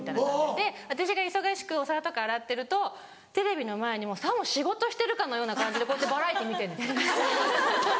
で私が忙しくお皿とか洗ってるとテレビの前にさも仕事してるかのような感じでこうやってバラエティー見てんですよ。